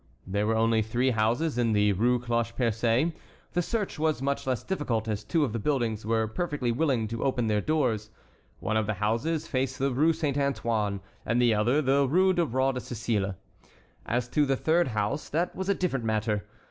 There were only three houses in the Rue Cloche Percée. The search was much less difficult as two of the buildings were perfectly willing to open their doors. One of the houses faced the Rue Saint Antoine and the other the Rue du Roi de Sicile. As to the third house, that was a different matter.